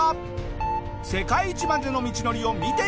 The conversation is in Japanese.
世界一までの道のりを見ていこう！